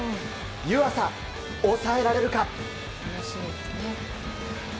湯浅、抑えられるか。